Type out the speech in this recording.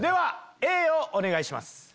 Ａをお願いします。